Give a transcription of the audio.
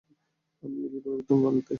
আমি লিখি পরিবর্তন আনতে।